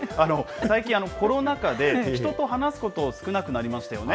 最近、コロナ禍で、人と話すこと、少なくなりましたよね。